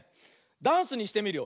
ダンスにしてみるよ。